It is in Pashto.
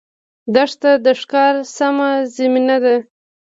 دښته د ښکار سمه زمینه ده.